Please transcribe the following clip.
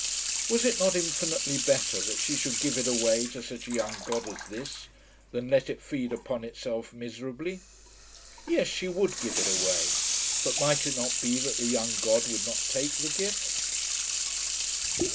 Was it not infinitely better that she should give it away to such a young god as this than let it feed upon itself miserably? Yes, she would give it away; but might it not be that the young god would not take the gift?